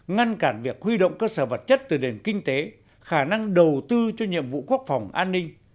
ngăn cản việc huy động cơ sở vật chất từ đền kinh tế khả năng đầu tư cho nhiệm vụ quốc phòng an ninh